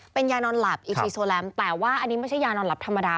เป็นยานอนหลับอีซีโซแรมแต่ว่าอันนี้ไม่ใช่ยานอนหลับธรรมดา